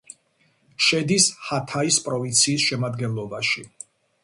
შედის ჰათაის პროვინციის შემადგენლობაში.